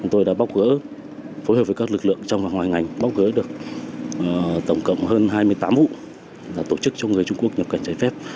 tôi đã bóc gỡ phối hợp với các lực lượng trong và ngoài ngành bóc gỡ được tổng cộng hơn hai mươi tám vụ tổ chức cho người trung quốc nhập cảnh trái phép